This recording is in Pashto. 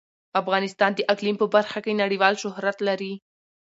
افغانستان د اقلیم په برخه کې نړیوال شهرت لري.